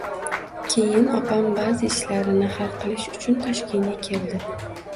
Keyin opam ba`zi ishlarini hal qilish uchun Toshkentga keldi